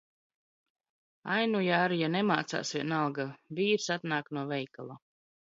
Ai, nu ja ar’ ja nemācās, vienalga. Vīrs atnāk no veikala.